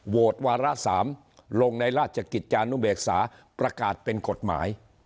วาระ๓ลงในราชกิจจานุเบกษาประกาศเป็นกฎหมาย